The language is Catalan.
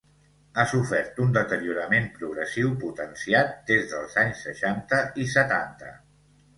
Ha sofert un deteriorament progressiu potenciat des dels anys seixanta i setanta.